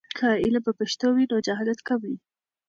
که علم په پښتو وي، نو جهالت کم وي.